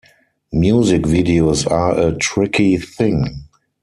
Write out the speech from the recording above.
Music videos are a tricky thing.